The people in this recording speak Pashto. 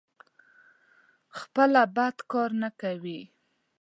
خپله بد کار نه کوي.